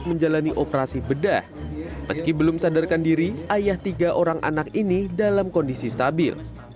menjalani operasi bedah meski belum sadarkan diri ayah tiga orang anak ini dalam kondisi stabil